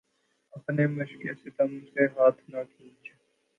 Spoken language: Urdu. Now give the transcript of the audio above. اپنی مشقِ ستم سے ہاتھ نہ کھینچ